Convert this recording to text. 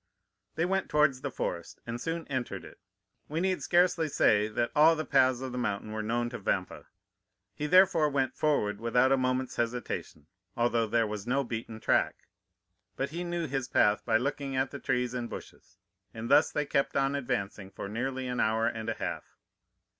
They went towards the forest, and soon entered it. "We need scarcely say that all the paths of the mountain were known to Vampa; he therefore went forward without a moment's hesitation, although there was no beaten track, but he knew his path by looking at the trees and bushes, and thus they kept on advancing for nearly an hour and a half.